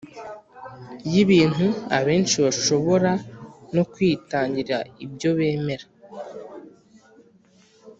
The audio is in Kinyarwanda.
y ibintu Abenshi bashobora no kwitangira ibyo bemera